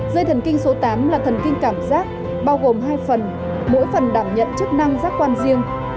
dây thần kinh số tám là thần kinh cảm giác bao gồm hai phần mỗi phần đảm nhận chức năng giác quan riêng